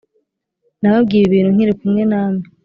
Nababwiye ibi bintu nkiri kumwe namwe